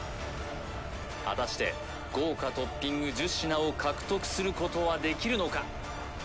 果たして豪華トッピング１０品を獲得することはできるのか